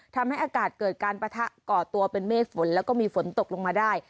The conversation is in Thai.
ทำให้อากาศเกิดการปะทะก่อตัวเป็นเมฆฝนแล้วก็มีฝนตกลงมาได้